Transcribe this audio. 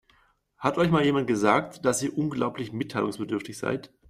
Hat euch mal jemand gesagt, dass ihr unglaublich mitteilungsbedürftig seid?